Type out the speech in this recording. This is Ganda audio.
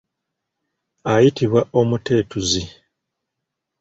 Ayitibwa omutetuzi.